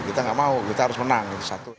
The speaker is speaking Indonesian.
kita nggak mau kita harus menang